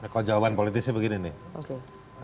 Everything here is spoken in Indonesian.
kalau jawaban politisnya begini nih